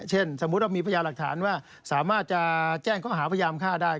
เช่นสมมุติว่าเรามีพยาหลักฐานว่าสามารถจะแจ้งข้อหาพยามค่าได้